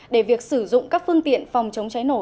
để việc sử dụng các phương tiện phòng chống cháy nổ